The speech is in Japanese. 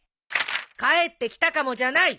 返ってきたかもじゃない！